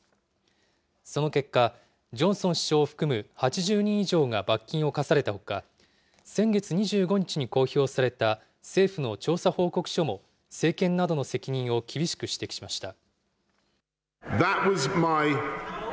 その結果、ジョンソン首相を含む８０人以上が罰金を科されたほか、先月２５日に公表された政府の調査報告書も、政権などの責任を厳しく指摘しました。